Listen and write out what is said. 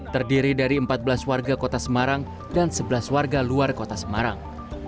terdiri dari empat belas warga kota semarang dan sebelas warga luar kota semarang